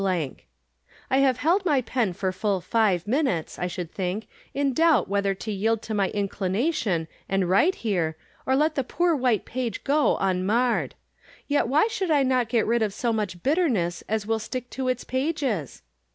— I have held my pen for full five minutes, I should think, in doubt whether to yield to my incHnation and write here, or let the poor white page go, unmarred. Yet why should I not get rid of so much bitterness as wiU stick to its pages